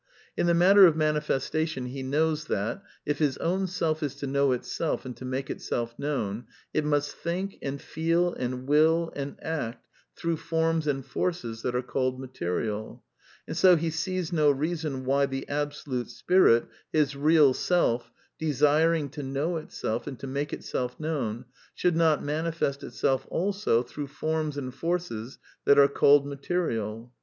In the matter of manifestation he knows that, if his ^own self is to know itself and to make itself known, it / must think and feel and will and act through forms and ! forces that are called material. And so he sees no reason I why the Absolute Spirit, his real Self, desiring to know itself, and to make itself known, should not manifest it self also .through forms and forces that are called material.